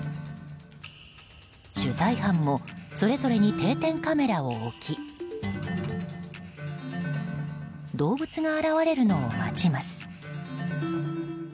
取材班もそれぞれに定点カメラを置き動物が現れるのを待ちます。